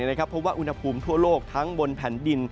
เพราะว่าอุณหภูมิทั่วโลกทั้งบนแผ่นดิน